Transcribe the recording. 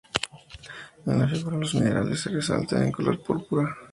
En la figura, los minerales se resaltan en color en púrpura.